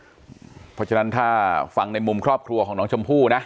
เพราะฉะนั้นถ้าฟังในมุมครอบครัวของน้องชมพู่นะ